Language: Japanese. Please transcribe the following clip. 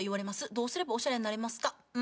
「どうすればおしゃれになれますか？」